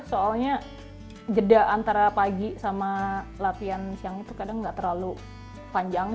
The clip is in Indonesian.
soalnya jeda antara pagi sama latihan siang itu kadang nggak terlalu panjang